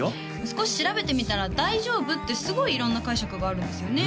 少し調べてみたら「大丈夫」ってすごい色んな解釈があるんですよね